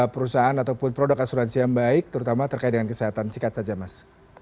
perusahaan ataupun produk asuransi yang baik terutama terkait dengan kesehatan singkat saja mas